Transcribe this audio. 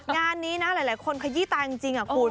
งานนี้นะหลายคนขยี้ตาจริงคุณ